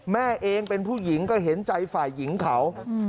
แม่เองเป็นผู้หญิงก็เห็นใจฝ่ายหญิงเขา